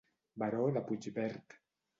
Baró de Puigverd.